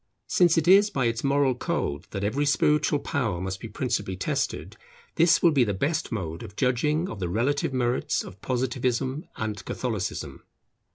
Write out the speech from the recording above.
Since it is by its moral code that every spiritual power must be principally tested, this will be the best mode of judging of the relative merits of Positivism and Catholicism.